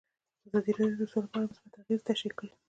ازادي راډیو د سوله په اړه مثبت اغېزې تشریح کړي.